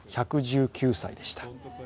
１１９歳でした。